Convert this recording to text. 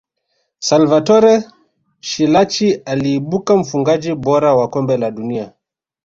salvatore schillaci aliibuka mfungaji bora wa kombe la dunia